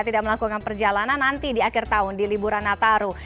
tidak melakukan perjalanan nanti di akhir tahun di liburan nataru